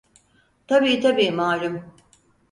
Tabii, tabii, malum...